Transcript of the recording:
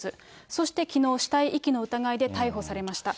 そしてきのう、死体遺棄の疑いで逮捕されました。